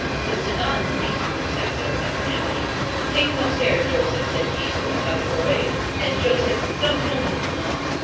This did not in the least move Sackville's equanimity. 'Take him upstairs, Joseph,' said he to the hobbadehoy, 'and Joseph don't tell his mamma.'